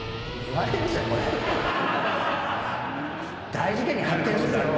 大事件に発展するよ？